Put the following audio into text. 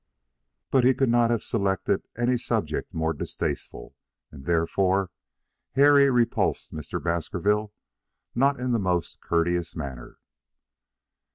But he could not have selected any subject more distasteful, and, therefore, Harry repulsed Mr. Baskerville not in the most courteous manner.